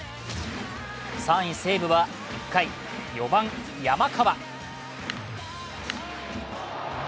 ３位・西武は１回、４番・山川。